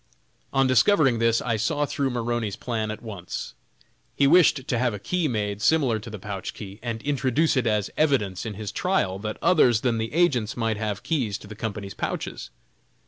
On discovering this, I saw through Maroney's plan at once; he wished to have a key made similar to the pouch key, and introduce it as evidence in his trial that others than the agents might have keys to the Company's pouches.